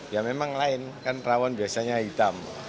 ya memang lain kan rawon biasanya hitam